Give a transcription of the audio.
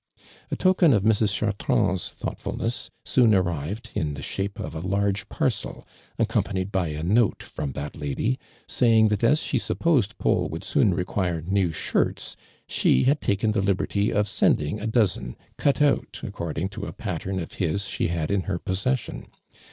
A token of Mrs. Chartnuwl's thoughtful ness ^oon arrived in the shape of a large parcel, accompanied l)y a note from that lady, saying that as she supposed Paul would soon require new shirts, she had taken the liberty of sending a dozen, cut out according to a pattern of his she had in licr possession.